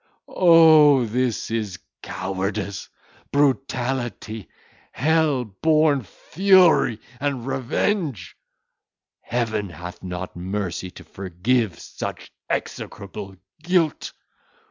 —O! this is cowardice, brutality, hell born fury and revenge! Heaven hath not mercy to forgive such execrable guilt.